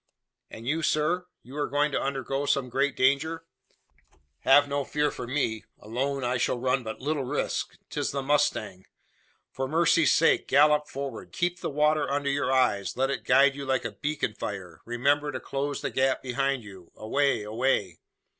"And you, sir? You are going to undergo some great danger?" "Have no fear for me! Alone, I shall run but little risk. 'Tis the mustang. For mercy's sake, gallop forward! Keep the water under your eyes. Let it guide you like a beacon fire. Remember to close the gap behind you. Away away!"